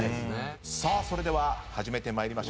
さあそれでは始めてまいりましょう。